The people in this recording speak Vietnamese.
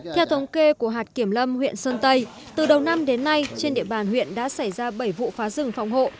theo thống kê của hạt kiểm lâm huyện sơn tây từ đầu năm đến nay trên địa bàn huyện đã xảy ra bảy vụ phá rừng phòng hộ